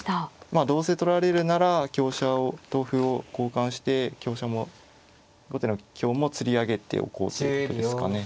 まあどうせ取られるなら香車と歩を交換して香車も後手の香もつり上げておこうということですかね。